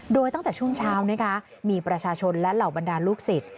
โดยตั้งแต่ช่วงเช้านะคะมีประชาชนและเหล่าบรรดาลูกศิษย์